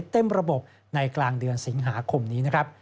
เต็มระบบในกลางเดือนสิงหาคมนี้นะครับ